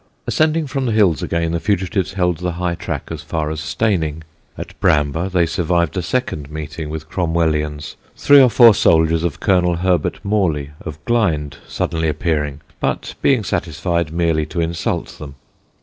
Ascending the hills again the fugitives held the high track as far as Steyning. At Bramber they survived a second meeting with Cromwellians, three or four soldiers of Col. Herbert Morley of Glynde suddenly appearing, but being satisfied merely to insult them.